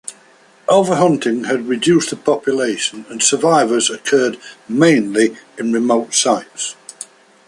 Overhunting had reduced the population, and survivors occurred mainly in remote sites.